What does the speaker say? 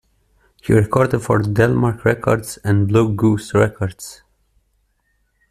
He recorded for Delmark Records and Blue Goose Records.